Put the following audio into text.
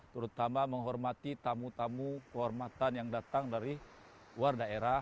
terutama menghormati tamu tamu kehormatan yang datang dari luar daerah